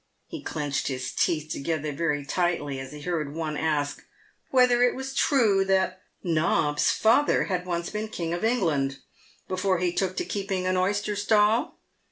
He clenched his teeth together very tightly as he heard one ask " Whether it was true that ' nob's' father had once been King of England before he took to keeping an oyster stall